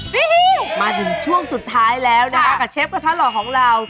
วิวมาถึงช่วงสุดท้ายแล้วนะคะกับเชฟกระทะหล่อของเรา